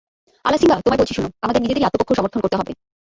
আলাসিঙ্গা, তোমায় বলছি শোন, তোমাদের নিজেদেরই আত্মপক্ষ সমর্থন করতে হবে।